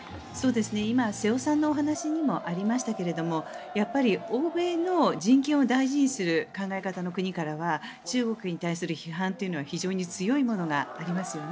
今、瀬尾さんのお話にもありましたけどやっぱり欧米の人権を大事にする考え方の国からは中国に対する批判というのは非常に強いものがありますよね。